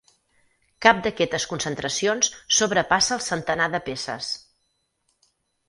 Cap d'aquestes concentracions sobrepassa el centenar de peces.